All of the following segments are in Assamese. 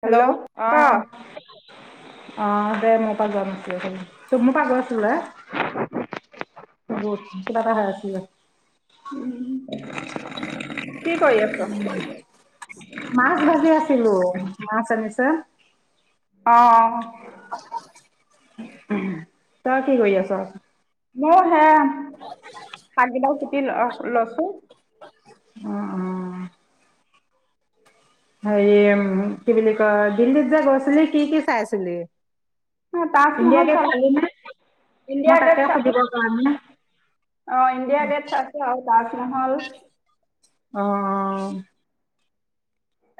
হেল্ল' অহ অ দে মোৰ পৰা যোৱা নাছিলে ছাগে মোৰ পৰা গৈছিলে। উম [unintelligible] গুদ কিবা এটা হৈ আছিলে। উম মাছ ভাজি আছিলো মাছ আনিছে অহ অহ তই কি কৰি আছ ম‌ইয়ো সে শাক কেইডাল কুটি ল লৈছো উ উ হে কি বুলি ক দিল্লীত যে গৈছিলি কি কি চাই আছিলি? তাজমহল চালো মই ইণ্ডিয়া গেট তাকে চালো সুধিব কাৰণে আহ ইণ্ডিয়া গেট চাইছো আৰু তাজমহল। অ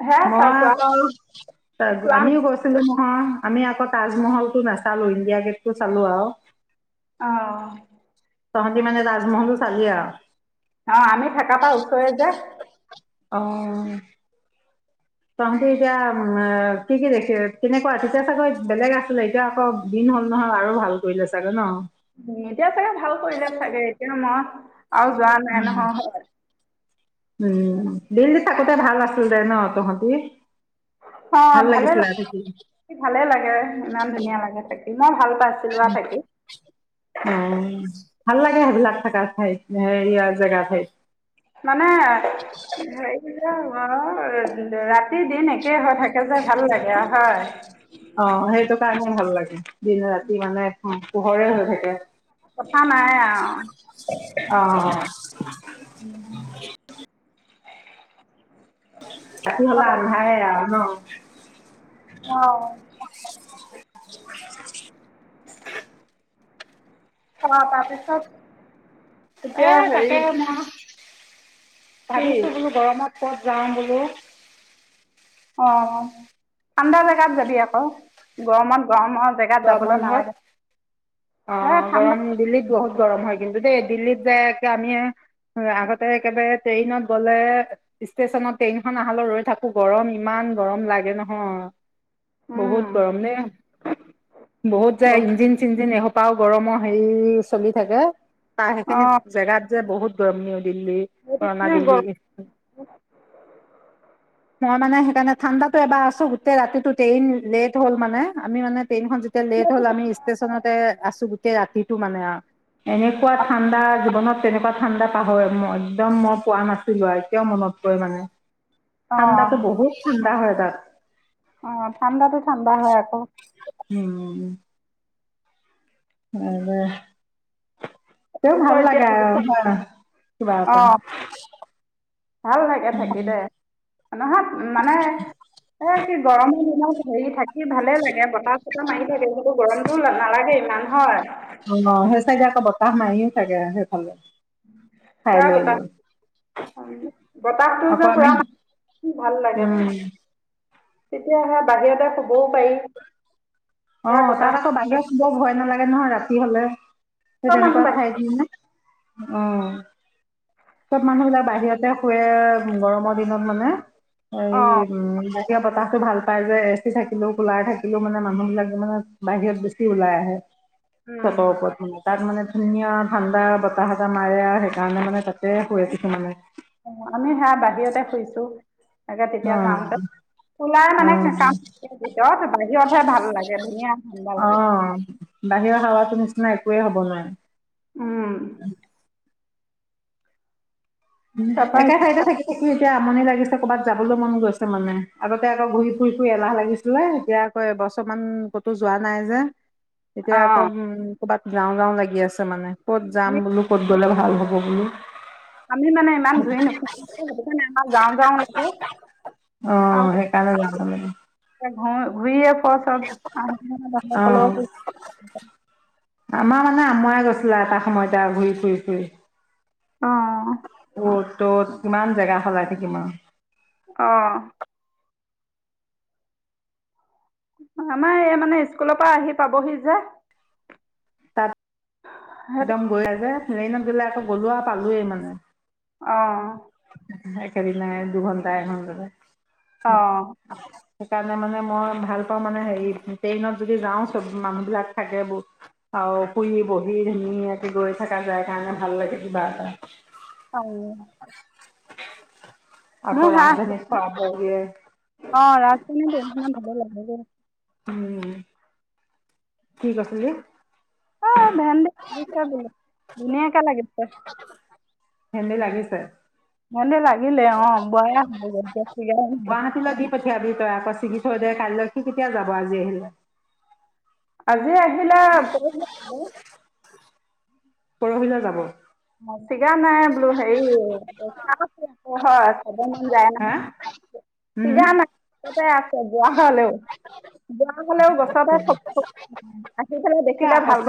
হে মই চাইছো আৰু অকল চোৱা আমিও গৈছিলো ম। অ আমি আকৌ তাজমহলটো নাচালো ইণ্ডিয়া গেটটো চালো আৰু। অহ তহতি মানে তাজমহল চালি আ। অ আমি থকাপা ওচৰে যে। অ তহতি এতিয়া কি কি দেখিলি কেনেকুৱা এতিয়া চাগৈ বেলেগ আছিলে এতিয়া আকৌ দিন হল নহয় আৰু ভাল কৰিলে চাগৈ ন। কিনোম। আৰু যোৱা নাই ন উম। হয়। দিল্লীত থাকোতে ভাল আছিলে ন তহতি। অ ভালে লাগে ভালে লাগে ইমান ধুনীয়া লাগে তাকে। ইমান ভাল। পাইছিলো আৰু থাকি অ ভাল লাগে সেইবিলাক থাকাত। হয় ইয় জগাত হয়। মানে। অ ৰাতি দিন একে হৈ থাকে যে ভাল লাগে হয়। অ সেইটো কাৰণে ভাল লাগে দিন ৰাতি মানে পোহৰে হৈ থাকে। কথা নাই অ আৰু। উ ৰাতি হ'লে আন্ধাৰ এ আৰু ন। অ [inaudible] [unintelligible] অ তাৰপিছত? এ এতিয়া হেৰি তাকে সে মই। কি ভাবিছো বোলো গৰমত। ক'ত যাওঁ বোলো। অ ঠাণ্ডা জেগাত যাবি আকৌ গৰমত গৰমত। গৰম বন্ধত অ এ ঠাণ্ডা গৰম দিল্লীত বহুত গৰম হয়। কিন্তু দেই দিল্লীত যাই আমি আগতে একেবাৰে ট্ৰেইনত গ'লে ষ্টেশচনত ট্ৰেইনখন অহালৈ ৰৈ থাকো গৰম ইমান গৰম লাগে নহয়। উম বহুত গৰম নে। বহুত যায় ইঞ্জিন চঞ্জিন এসপ। পাওঁ গৰমৰ হেৰি চলি থাকে। তা সেইখিনি অ জেগাত যে বহুত। গৰম নিও দিল্লী সেইটো পুৰণা কাৰণে দিল্লী মই মানে সেইকাৰণে ঠাণ্ডাতটো এবাৰ আছোঁ গোটেই ৰাতিটো ট্ৰেইন লেট হ'ল মানে আমি মানে। ট্ৰেইনখন যেতিয়া লেট হ'ল গৰমটো আমি ষ্টেচনতে আছোঁ। গোটেই গোতে ৰাতিটো মানে অ। এনেকুৱা ঠাণ্ডা জীৱনত। তেনেকুৱা ঠাণ্ডা পাহৰো মই একদম মই পোৱা নাছিলোঁ ।আৰু এতিয়াও মনত পৰে মানে। অ ঠাণ্ডাটো বহুত ঠাণ্ডা হয়। তাত অ ঠাণ্ডাতো ঠাণ্ডা হয় আকৌ। উম আ বা তেওঁ তাৰপিছত ভাল এতিয়া লাগে আও অ ভাল লাগে থাকি দে নহাত মানে এই কি গৰমসমুহ [inaudible] দেখি ভালে লাগে বতাহ। বতাহ মাৰি থাকে সেইটো গৰমটো নালাগে ইমান হয়। অ সঁচাকে আক বত। তাহ মাৰিও থাকে সেইফালে। চাই পুৰা লৈ লৈ বতাহ, বতাহটো আকৌ যে আমি পুৰা মাৰ ভাল লাগে মো উম তেতিয়া হে বাহিৰতে শুবওঁ পাৰি। অ সেয়া বতাহ তাত আকৌ বাহিৰত। বৰ ভয় নালাগে নহয় ৰাতি হ'লে। চব তই মানুহ তেনেকুৱা বাহিৰ খাই দিও নে অহ চব মানুহ যে বাহিৰতে শুৱে গৰমৰ দিনত মানে। অঁ অহ উম এতিয়া বতাহটো ভাল পায় যে এ চি থাকিলেও কোলাৰ থাকিলেও মানে মানুহবিলাক যে মানে বাহিৰত বেছি ওলাই আহে। চতৰ ওপৰত তাত মানে - ধুনীয়া ঠাণ্ডা বতাহ এটা মাৰে আৰু সেইকাৰণে মানে তাত। এ হে এচি মানে। অ আমি সেয়া বাহিৰতে শুইছোঁ। তাকে অ তেতিয়া যাওঁতে ওলাই অ মানে কাম ভিতৰত বাহিৰতহে ভাল লাগে ধুনীয়া ঠাণ্ডা অ লাগে। একোয়ে হ'ব নোৱাৰে। উম তাৰপৰা একে ঠাইতে থাকে। কি এতিয়া আমনি লাগিছে কৰ'বাত যাবলৈ মন গৈছে মানে আগতে আকৌ ঘূৰি ফুৰি ফুৰি এলাহ লাগিছিলে এতিয়া আকৌ এবছৰমানান ক'তো যোৱা নাই যে। এতিয়া অঁ আকৌ উম। ক'ৰবাত যাওঁ যাওঁ লাগি আছে মানে। ক'ত যাম আমি বল ক'ত গ'লে ভাল। ভাল হ'ব বোলো। আমি মানে ইমান ঘূৰি নুফুৰো সেইটো কাৰণে আমাৰ যাও যাওঁ লাগে অ আৰু সেইকাৰণে যাব লাগে ঘৰ। বি পচ অ কল আমাৰ মানে আময় গৈছিলে এটা সময়তে ঘূৰি ফুৰি ফুৰি। অ অ ত তত' কিমান জেগা সলাই থাকিম আৰু। আহ আমাৰ এই মানে স্কুলৰ পৰা আহি পাবহি যে। তাত সেইটো একদম গৈ আছে। ট্ৰেইনত গ'লে আকৌ গ'লোৱা পালোয়েই মানে। অ উম নাইট। খেলে নাই দুঘণ্টা এঘণ্টাতে। উ অঁ সেইকাৰণে মানে মই ভাল পাওঁ মানে হেৰি ট্ৰেইনত যদি যাওঁ চব মানুহবিলাক থাকে আৰু ফুৰি বহি ধুনীয়াকৈ গৈ থকা যায় কাৰণে ভাল লাগে কিবা এটা। অ [inaudible] আকৌ ৰাজধানী পাওঁতে? ইয়ে। অ ৰাজথানি তেৰেন খন থাকিব লাগিব দেহ। উম কি কৈছিলি? অ ভেন দে বা বোলে ধুনীয়াকে লাগে। ত ভেন্দি লাগিছে? ভেন্দি লাগে। লাগিলে অ বোৱাৰ আহা নি। গুৱাহাটীলৈ দি পঠিয়াবি তই আকৌ চিকিৎসয় দে কাইলৈ সি কেতিয়া যাবি আজি আহিলে। আজি আহিলা পাৰিলে হলে পৰহিলৈ যাব। চিগা নাই বলো হেৰি হয় চাবৰ মন যায় হা নহয় উম হম চিগা নাইছতে আছে বোৱা হলেও বোৱা হলেও গছতে আহি পেলাই কিয় দেখিলে আকৌ ভাল প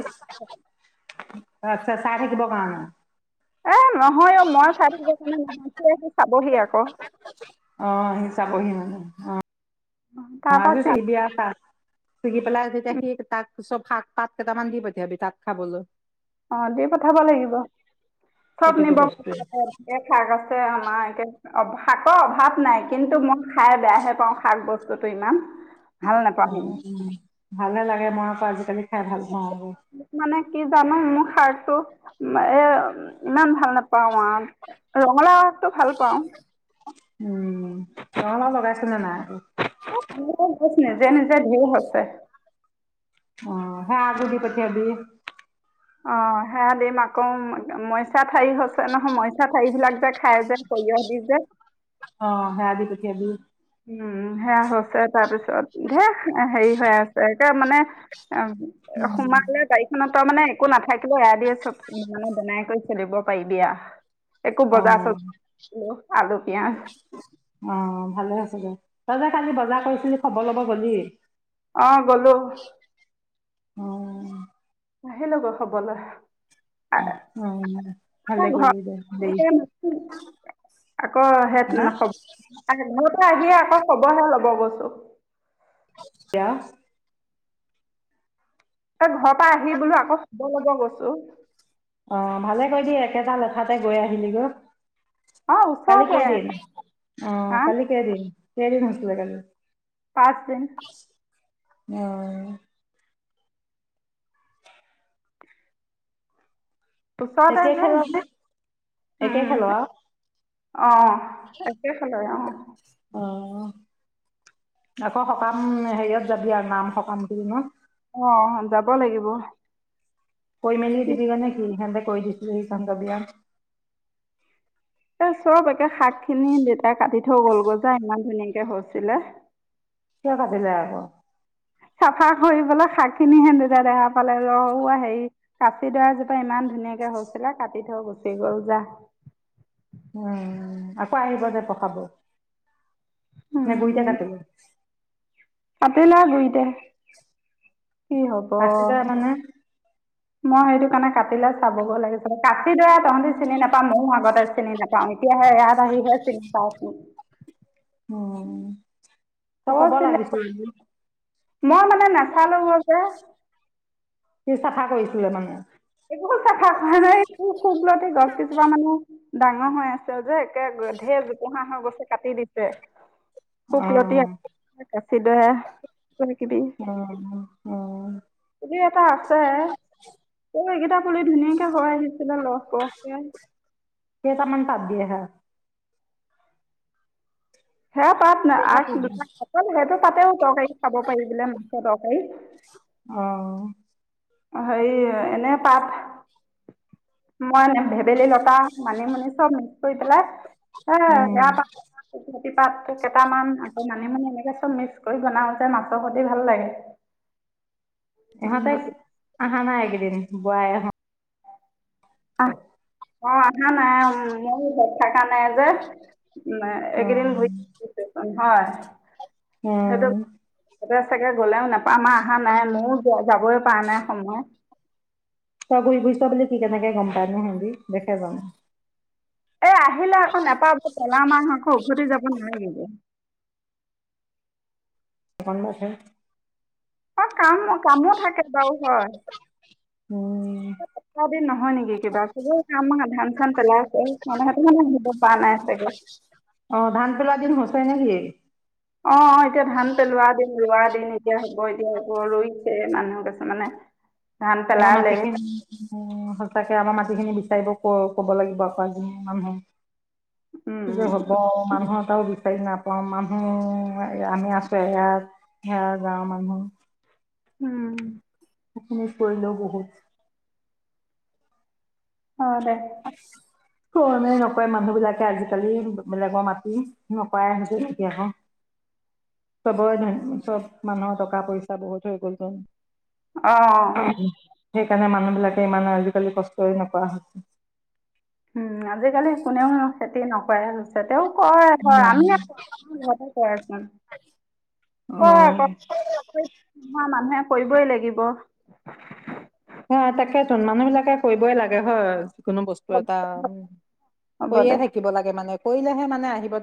তই চাই থাকিব কাৰণে এ নহয় অ মই চাই থাকিব কাৰণে নহয়। হেঁতি চাবহি আক হ আজি চাম দিয়া। ছিগি পেলাই যেতিয়া সি তাক চব শাক পাত কেইটামান দি পঠিয়াবি তাত খাবলৈ অ দি পঠাব লাগিব চব প্ৰতিটো নিব বস্তুৱে পাৰিব শাক আছে বাৰিতে আমাৰ এতিয়া। অ শাকৰ অভাৱ নাই কিন্তু মই খাই বেয়াহে পাওঁ শাক বস্তুটো ইমান। ভাল অ নাপাওঁ উ ভালে লাগে মই আকৌ আজিকালি খাই ভাল পাওঁ। মানে কি জানো মোৰ শাকটো এ ইমান ভাল নোপাও আৰু ৰঙালাউ আগটো ভাল পাওঁ। উম ৰঙালাউ লগাই ছিলে নাই। এ ৰঙালাও গছ নিজে নিজে ধেই হৈছে। অ সেয়া এজুপি দি পঠীয়াবি অ সেয়া দিম আকৌ মইচাত ঠাৰি আ হৈছে নহয় মইচা ঠাৰি বিলাক যে খাই যে সৰিয়হ দি যে অ সেয়া দি পঠিয়াবি উম সেয়া হৈছে তাৰপিছত দে হেৰি হৈ আছে একে মানে। অ সোমালে বাৰিখনত তাৰ মানে একো নাথাকিলে এয়া দি আছে। চব মানে বনাই কৰি চলিব পাৰিবি একো অ বজাৰ চজা আলু পিয়াজ অ ভালে আছে দে তই যে কালি বজাৰ কৰিছিলি খবৰ ল'ব গলি আহ গ'লো উম আহিলো গৈ খবৰ লৈ অ ভালে ঘ কৰিলি দে দেই আকৌ হ নখব ঘ [unintelligible] আহিয়ে আকৌ খবৰটো ল'ব গৈছো। ক [unintelligible] ত ঘৰৰ পৰা আহি বোলো আকৌ খবলব গৈছো অ ভালে কৰিছ দে একেটা লেঠাতে গৈ আহিলি গৈ অঁ কালি ওচৰতে কেইদিন অ হা কালি কেইদিনন কেইদিন হৈছিলে কালি পাঁচ দিন অ ওচৰতে একে যে খেলৰ নে একে খেলৰ অ অ একেই খেলৰ অ অ আকৌ সকাম হেৰিয়ত যাবি আৰু নাম সকাম ন অ যাব লাগিব। কৈ মেলি দিবিগে নেকি? কৰি দিছিলেহি চন্দ্ৰ বিয়াত আ [inaudible] চব একে শাক খিনি দেতা কাটি গ'লগৈ যা ইমান ধুনীয়াকে হৈছিলে। কি কাটিলে আকৌ চাফা কৰিবলৈ শাক খিনি হেন্দতা দিয়া ফালে ৰুৱা হেৰি কাঁচিদৈয়া জোপা ইমান ধুনীয়াকে হৈছিলে কাটি থৈ গুচি গল যা উম আকৌ আহিব যে পোখাব নে গুৰিতে কাটিলে কাটিলে গুৰিতে কি হব কাটিলে মানে মই সেইটো কাৰণে কাটিলে চাবগৈ লাগিছিল কাঁচিদৈয়া তাহাঁতি চিনি নাপায় ।ময়ো আগতে চিনি নাপাওঁ এতিয়াহে ইয়াত আহিহে চিনি পাওঁচোন উম তই কব কৈছিলে লাগিছ । মই মানে নাচালো গৈ যে সি চাফা কৰিছিলে মানে। একোটো চাফা কৰা নাই সুখলতি গছ কেইজোপা মানে । ডাঙৰ হৈ আছে যে ধেৰ জোপোহা হৈ গৈছে কাটি দিছে। শুকলতি অ' কাঁচিঁদৈযা কিবা কিবি অ' অ' দুই এটা আছে। অ এইকেইটা পুলি ধুনীয়াকে হৈ আহিছিলে লহপহকে ল দিয় হ [unintelligible] সেয়া পাত নাই কেইটা আগ পাত দু দিয়ে? অকল সেইটো পাতেও তৰকাৰী খাব পাৰি বোলে মাংসৰ তৰকাৰী অ' হেৰি এনে পাত মই এ ভেবেলী লতা মানিমুনি চব মিক্স কৰি পেলাই হয় উম, হয় পাত কেইটামান আকৌ মানিমুনি এনেকে চব মিক্স কৰি বনাও যে মাছৰ সতে ভাল লাগে ইহঁতে গোন্ধটো আহা নাই এই কেইদিন বয় অ অ আহা নাই ব এটা নাই যে নাই একেদিন ঘূৰি উম, ফুৰিছে চোন হয়। অহ। ততে চাগে গলাও নাপায়। আমাৰ অহা নাই ময়ো যাবই পৰা নাই সময়। ত বি বুজিছ বুলি কি কেনেকে গম পাই নো সিন্দি দেখে যাাম। এ আহিলে আকৌ নেপাৰ কলা মাহ আকৌ উভতি যাব নালাগিব। দোকানছে। অ কাম কামো থাকে বাৰু হয় উম, ক দিন নহয় নেকি কিবা চব কাম সাধ। চ পালাই। মানহঁতে মানে আহিব পৰা নাই চাগে। অ', ধান পেলোৱা দিন হৈছে [unintelligible] অ অ এতিয়া ধান পেলোৱা দিন ৰোৱা দিন এতিয়া হ'ব এতিয়া আকব ৰৈ। স মানহ কছে মানে। আমাৰ মাটি খিনি সঁচাকে আমাৰ মাটিখিনি। চাই ক ক'ব লাগিব আকৌ এজনীয়া মানুহে। উম কিযে উম হ'ব মানুহৰ এ তটাও বি। সেইদি নাপওঁ মানুহ আমি আছো ইয়াত গাঁৱৰ মানুহ। উম। সেইখিনি কৰিলো বহুত। অ দে। কণে নকৰে মানুহ বিলাকে আজিকালি বেলেগৰ মাটি নকৰাই হৈছে এতিয়া আকৌ চবৰে ধ চব মানুহৰ টকা পইচা বহুত হৈ গল যে। অহ। সেইকাৰণে মানুহ বিলাকে ইমান আজিকালি কষ্টই নকৰা হৈছে। উম আজিকালি কোনেও খেতি নহ। কৰালো। তেতেওঁ কয় হয় আমি ঘতে কয়চোন। ক ক মাত। নহয় কৰিবই লাগিব। হ তাকেতোন মানুহ বিলাকে কৰিবই লাগে হয়। কোনো বস্তু হ'ব এটা দে হ'ব কৈয়ে দে থাকিব লাগে মানে। কৰিলেহে মানে আহিব।